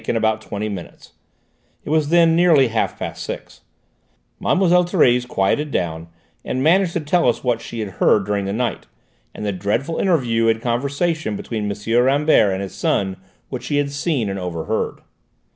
In about twenty minutes it was then nearly half past six Mlle. Thérèse quietened down, and managed to tell us what she had heard during the night, and the dreadful interview and conversation between M. Rambert and his son which she had seen and overheard."